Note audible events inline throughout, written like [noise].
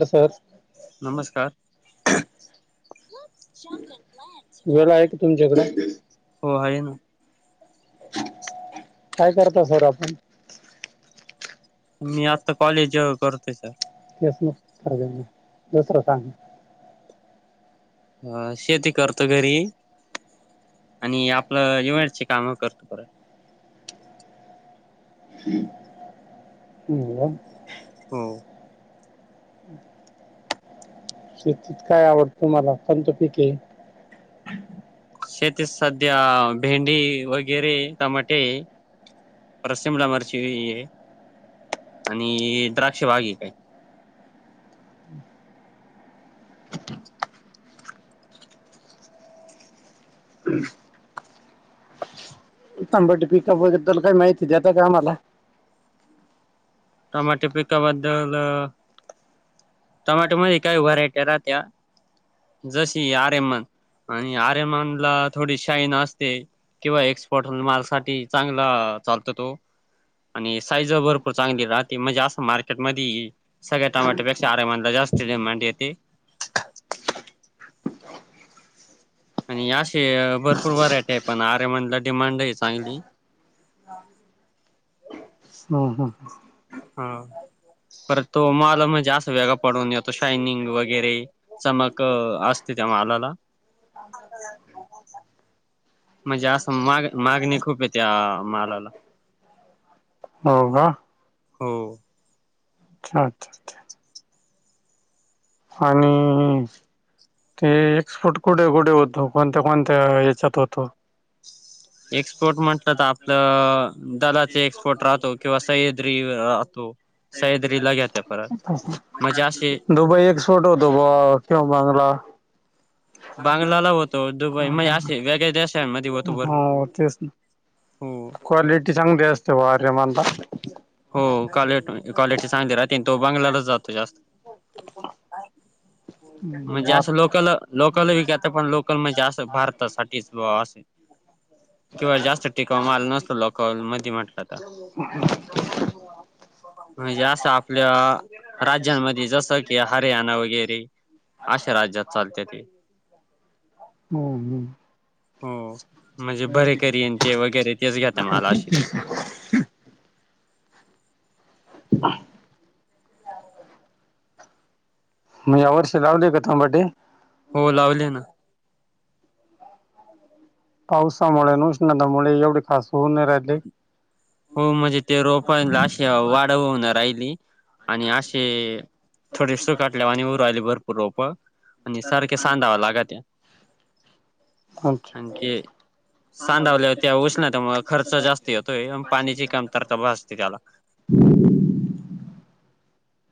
हा सर नमस्कार [unintelligible] [inaudible] वेळ आहे की तुमच्याकडे हो आहे ना काय करता सर आपण मी आता कॉलेज करतोय सर [inaudible] दुसरं सांग ह शेती करतो घरी आणि आपलं इव्हेंटचे काम करतो परत हम् हो शेतीत काय आवडतं तुम्हाला कोणत्या पिक शेतीत सध्या भेंडी वगेरे टमाटे सिमला मिरची आणि द्राक्ष बाग एक आहे हम् हम् टमाटे पिकाबद्दल काही माहिती दता का आम्हाला टमाॅटो पिकाबद्दल टमाॅटो म काही व्हरायटी राहत्या जशी आरेमन आणि आरेमन ला थोडी शाईन असते किंवा एक्सपर्ट मालसाठी चांगला चालतो तो आणि साईज भरपूर चांगली राहते म्हणजे असं मार्केट मध्ये सगळ्या टमॅटो पे आरेमन का जास्त डिमांड येते आणि असे भरपूर वरायटी आहे पण आर एमन ला डिमांड आहे चांगली हा हा हा पर तो मला म्हणजे अस वेगा पडून येतो शायनिंग वगैरे चमक असते त्या मालाला म्हणजे असं माग मागणी खूप आहे त्या मालाला ह [unintelligible] हो! अच्छा, अच्छा, अच्छा. आणि हे एक्सपोर्ट कुठे, कुठे, होत कोणत्या, कोणत्या हेच्यात होत- एक्सपोर्ट म्हटलं तर आपलं, दलाचे एक्सपोर्ट राहतो, किंवा सह्याद्री राहतो सह्याद्रीला घेत्या परत म्हणजे असे दुबई एक्सपोर्ट दोब किंवा बांगला बांगलाला होतो दुबई म्हणजे असे वेगळ्या देशांमध्ये होतो ह हो भरपूर तेच ना. हो क्वालिटी चांगते असते, वारे माणता. हो क्वालिटी क्वालिटी चांगली राहते, आणि तो बंगलालाच जातो जास्त. म्हणज हम्म आस लोकल. लोकल विकता, पण लोकल म्हणजे, असं भारतासाठीच बॉ अस. किंवा जास्त टिकाव माल नसतो, लोकल मध्ये म्हटलं तर. [inaudible] म्हणजे असं आपल्या राज्यांमध्ये जसं की हरियाणा वगैरे अशा राज्यात चालते ते. हूं हूं! हो म्हणजे बरेकरी येन ते वगैरे तेच घेता माल असे ते. [unintelligible] [inaudible] [unintelligible] मग या वर्षी लावलेय का तमाटे? हो लावले ना पावसामुळे उष्णतामुळे एवढी खास होऊ न राहिली हो म्हणजे ते रोपायनला अशी वाढ होऊ नाही राहिली. आणि अशी थोडी सुखटल्या आणि हूं राहिले भरपूर रोप. आणि सारख्या सांधाव लागत्या. हम्म आणि ते सांधावल्या हो त्या उष्णता मूळ खत खर्च जास्त येतोय न पाण्याची कमतरता भासते त्याला.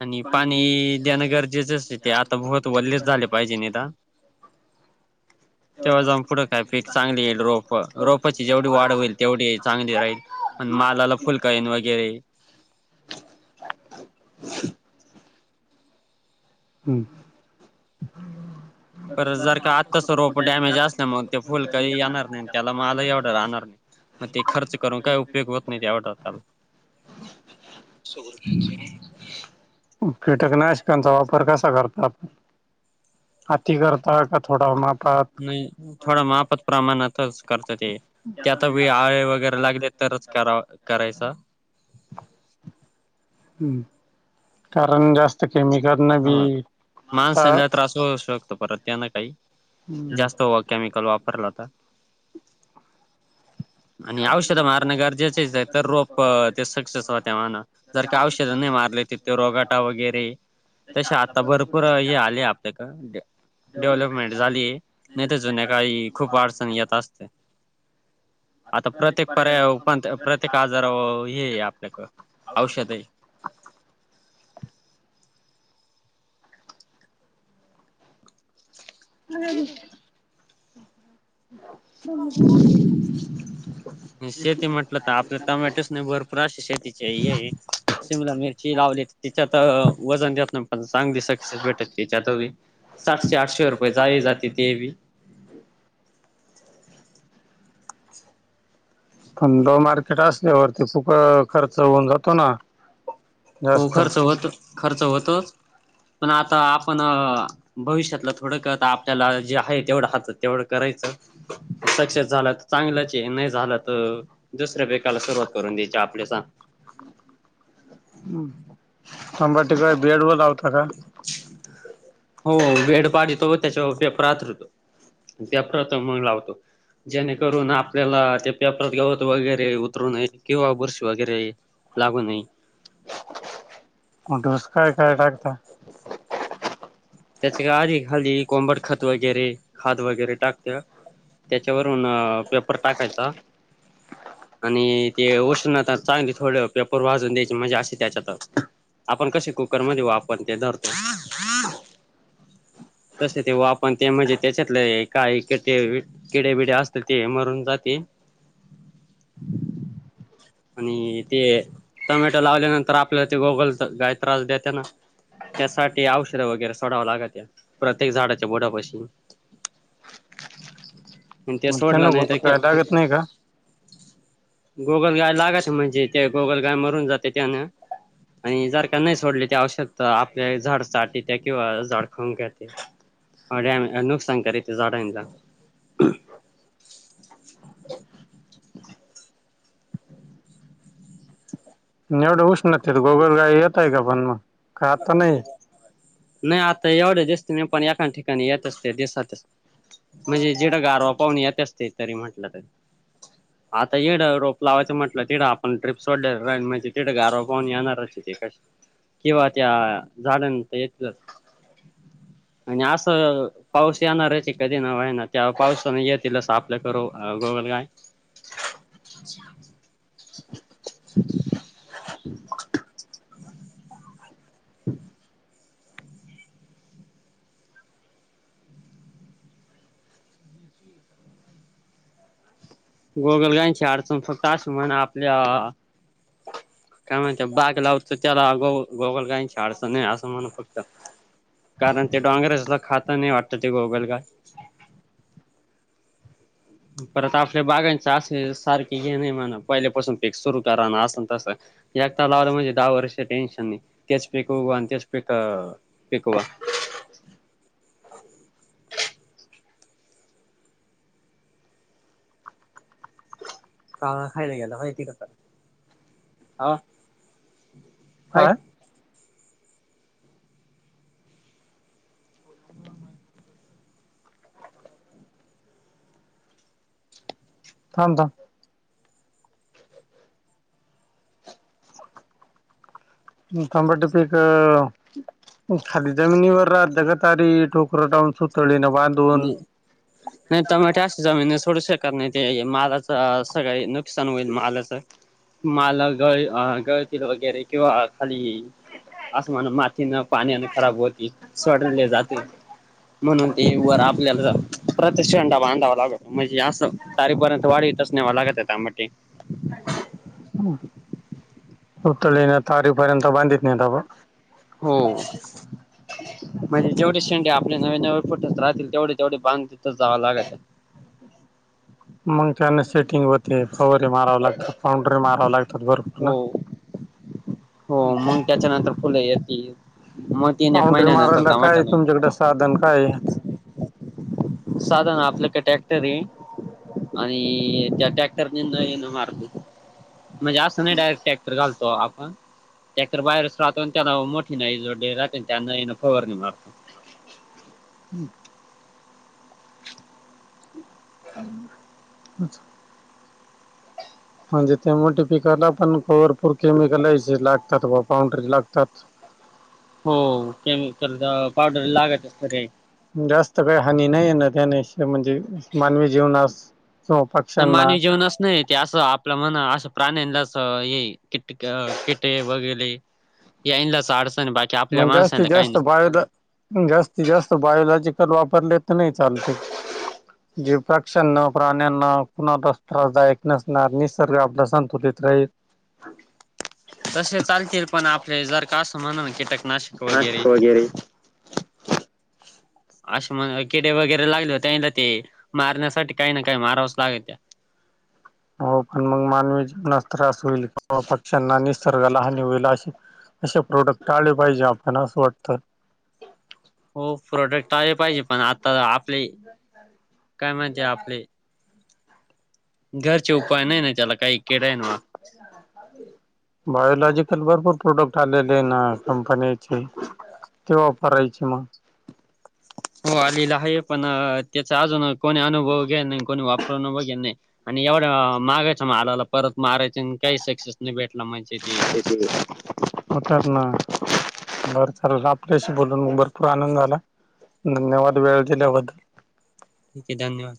आणि पाणी देणं गरजेचं च ते आता भोत वल्लेच झाले पाहिजे नेता [inaudible] तेव्हा जाऊन पुढं काय पीक चांगली येईल, रोपं रोपाची, जेवढी वाढ होईल तेवढी चांगली राहील मालाला फुलकाईन वगैरे [unintelligible] हूं! जर का आत्ताच रोप डॅमेज असल्यामुळे, ते फुल काही येणार नाही, त्याला माल एवढं राहणार नाही. म ते खर्च करून काय उपयोग होत नाही, ते आवटत आपला. कीटक नाशकांचा वापर कसा करता आपण, आती करता का थोडा मापात नाही थोडा माफत प्रमाणातच करत ते त्यात वे आळे वगैरे लागले तरच करा करायचा. हूं! कारण जास्त न बी हा आता माणसाला त्रास होऊ शकतो परत त्यानं काही हम्म जास्त व केमिकल वापर परलाता. आणि औषधं मारणं गरजेचेच आहे, तर रोप ते सक्सेस होते म्हण जर का औषधं नाही मार तिथे रोगाटा वगैरे तसे आता भरपूर हे आले आपल्या क डेव्हलपमेंट झाली नाही तर जून्याकाळी खूप अडचण येत असते आता प्रत्येक पर्याय प प्रत्येक आजार व हे आपल्याक औषधे [inaudible] ह हम् ह [unintelligible] शेती म्हटलं तर आपल्या टमॅटोस नाही भरपूर असे शेतीचे शिमला मिरची लावली तिच्यात वजन देत प चांग दिस सातशे आठशे रुपये जया जाते ते. केवी थंड मार्केट असल्यावरती फूप खर्च होऊन जातो ना? हो जास्त खर्च होत खर्च होतोच. पण आता आपण भविष्यातला थोडंक आपल्याला जे आहे तेवढं हातत तेवढं करायचं. सक्सेस झाला चांगलंच नाही झालं तर दुसऱ्या पेकाला सुरुवात करून द्यायची. आपल्या स ह शंभर ठिकाणी बेड व लावता का? हो वेड पाडीतो व त्याच्यावर पेपर हातरतो. त्या प्रथम मग लावतो. जेणेकरून आपल्याला ते पेपरात गवत वगैरे उतरूनय किंवा बुरशी वगैरे लागू नये. स काय काय टाकता त्याच्या का आधी खाली कोंबट खत वगैरे खाद वगैरे टाकते. त्याच्यावरून पेपर टाकायचा. आणि ते उष्णता चांगली थोड पेपर वाजून द्यायची मजा अशी त्याच्यात आपण कसे कुकरमध्ये वापण ते धरतो, [inaudible] तसे तेव्हा आपण ते म्हणजे त्याच्यातले काही क किडे्या बिडे असतात ते मरून जाते. ह [unintelligible] आणि ते टमॅटो लावल्यानंतर आपल्या ते गोगल गाय त्रास देत ना? त्यासाठी औषध वगैरे सोडावं लागत या प्रत्येक झाडाच्या बुडापाशी. आणि ते मग त्या न सोडलं गो नाही तर काय लागत नाही का? गोगल गाय लागायच म्हणजे ते गोगल गाय मरून जाते त्यान. आणि जर का नाही सोडले ते आवश्यकता आपले झाड चाटी त्या किंवा झाड खाऊन घे डॅम नुकसान करिती झाडांचा. [inaudible] एवढं उष्णते गोगल गाय येतय का पण मग का आता नाही? नाही आता एवढे दिसते मी पण एका ठिकाणी येतच ते दिसातच. म्हणजे जेडा गारवा पाहणी यत असते तरी म्हटलं तर आता येढं रोप लावायचं म्हटलं तिडं आपण ट्रीप सोडले म्हणजे तिडें गार पाहून येणार असशी क किंवा त्या झाडांचा येतीलच [unintelligible] आणि असं पाऊस येणार आहेची कधी नव आहे ना त्या पावसाने येतील असं आपल्याक ग, काय? ह [inaudible] अच्छा [unintelligible] ह गोगलगांची अडचण फक्त असं म्हण आपल्या काय म्हण बाग लावत त्याला गो गोगलगाय ची अडचण नाही असं म्हण फक्त कारण ते डोंगरचलं खातं नाही वाटत ते गोगलगाय. [inaudible] परत आपल्या बागांचे असे सारखे घ नाही म्हणा पहिल्यापासून पीक सुरु करा ना असेल तसं. याता लावलं म्हणजे दहा वर्ष टेन्शन नाही तेच पिकव आणि तेच पिक पिकवा का खायला गेला माहिती कस ह हा थांब थांब तबट पीक खादी जमिनीवर राात जगतारी टोक टडाऊन सुतोळी ना नाही टमाटा जमीन थोडसे करण ते मालाचं सगळ नुकसान होईल मालाचं माला गळ गळतील वगैरे किंवा खाली ये आसमान मातीनं पाण्यान खराब होती सडले जाते म्हणून ते वर आपल्याला प्रति्षंडा बांधावा लागत म्हणजे असं तारीपर्यंत वाढीतच नेवा लागत टमाटे पुतळी ना तारीपर्यंत बांधित नाही तबा हो म्हणजे जेवढे आपले नवे नवे फुटच राहतील तेवढे तेवढे बांध जावं लागत मग त्याना सेटिंग होते फवर मारावं लागत फउंड्री माराव लागत हो हो मग त्याच्यानंतर फुलं येत म तीन एक पाऊंडरी महिन्यांनी मारायला काय टमाटे येतील तुमच्याकडे साधन काय आहे? साधन आपलं का ट्रॅक्टर आहे आणि त्या ट्रॅक्टर न ये ना मारतो म्हणजे असं नाही डायरेक्ट ट्रॅक्टर घालतो आपण ट्रॅक्टर तर बाहेरच राहतो आणि त्याना मोठी नाही जोडे राहते त्यांना फवार नाही मारतो हम्म अच्छा म्हणजे त्या मोठ पिकायला पण भरपूर केमिकल या लागतात व पाउंड्री लागतात ह हो केमिकल पावडर लागतच जास्त काही हानी नाही आहे ना त्याने म्हणजे मानवी जीवनास किंवा नाही पक्ष्यांना मानवी जीवणच नाही ते असं आपलं म्हन असं प्राण्याना ये किट किटे वगैरे यांना अडचण बाकी आपल्या मग माणसाला जास्तीत काही जास्त नाही. बाहेरील जास्तीत जास्त बायोलॉजिकल वापरले नाही चालते जे पक्षा ना प्राण्यांना कुणालाच त्रासदायक नसणार निसर्ग आपला संतुलित त्रय तसे चालतील पण आपले जर का असं म्हण कीटक कीटक नाशक वैगेरे अशे म्हण किडे वगैरे लागले होतेला ते मारण्यासाठी काही ना काही मारावंच लागे त्या ह हो पण मग मानवी जीवनास त्रास होईल किवा पक्ष्यांना निसर्गला हनी होईल अशी असे प्रोडक्ट आले पाहिजे आपल्याला असं वाटतं हो प्रोडक्ट आले पाहिजे पण आता आपले काय माहिती आपले घरचे उपाय नाही ना त्याला काही किडा बायलॉजिकल भरपूर प्रोडक्ट आलेले ना कंपनीचे ते वापरायची मग हो आलेला आहे पण त्याचा अजून कोणी अनुभव घ्यान नाही कोणी वापर बघेन नाही आणि एवढ्या मागायच म आलाला परत मारायच आणि काही सक्सेस नाही भेटला म्हणजे ते उतर ना बर चाल आपल्याशी बोलून मग भरपूर आनंद झाला धन्यवाद वेळ दिल्याबद्दल ठीक धन्यवाद